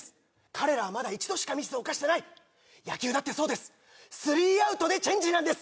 彼らはまだ１度しかミスを犯してない野球だってそうですスリーアウトでチェンジなんです